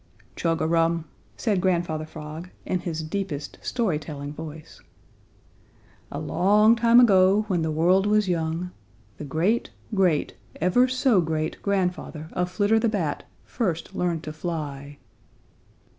"Chug a rum!" said Grandfather Frog in his deepest, story telling voice. "A long time ago when the world was young, the great great ever so great grandfather of Flitter the Bat first learned to fly."